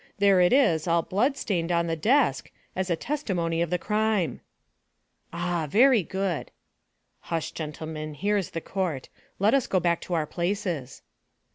There it is, all blood stained, on the desk, as a testimony of the crime." "Ah, very good." "Hush, gentlemen, here is the court; let us go back to our places."